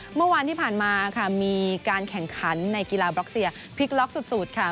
เมื่อวานที่ผ่านมาค่ะมีการแข่งขันในกีฬาบล็อกเซียพลิกล็อกสุดค่ะ